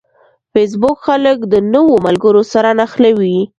فېسبوک خلک د نوو ملګرو سره نښلوي